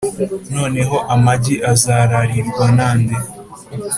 noneho amagi azararirwa na nde?